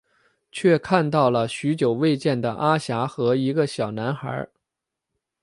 却看到了许久未见的阿霞和一个小男孩。